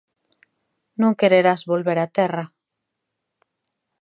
_¿Non quererás volver á terra?